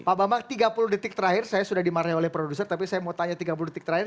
pak bambang tiga puluh detik terakhir saya sudah dimarahi oleh produser tapi saya mau tanya tiga puluh detik terakhir